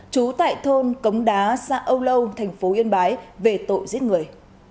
trú tại thôn cống đá xã âu lâu thành phố yên bái về tội giết người